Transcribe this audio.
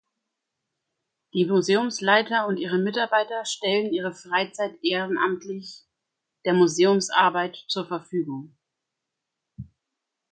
Die Museumsleiter und ihre Mitarbeiter stellen ihre Freizeit ehrenamtlich der Museumsarbeit zur Verfügung.